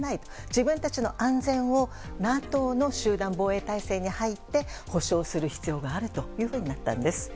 自分たちの安全をＮＡＴＯの集団防衛体制に入って保障する必要があるといったんです。